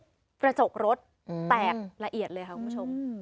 กระจกรถแตกละเอียดเลยค่ะคุณผู้ชม